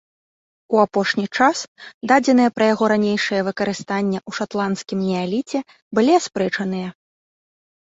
У апошні час дадзеныя пра яго ранейшае выкарыстанне ў шатландскім неаліце былі аспрэчаныя.